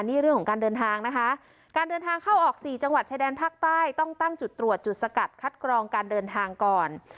นี่เรื่องของการเดินทางนะคะการเดินทางเข้าออกสี่จังหวัดชายแดนภาคใต้ต้องตั้งจุดตรวจจุดสกัดคัดกรองการเดินทางก่อน